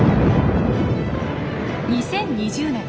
２０２０年